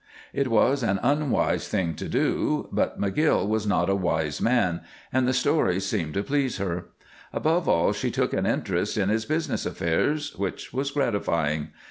It was an unwise thing to do, but McGill was not a wise man, and the stories seemed to please her. Above all, she took an interest in his business affairs, which was gratifying.